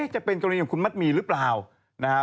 จะเป็นกรณีของคุณมัดหมี่หรือเปล่านะครับ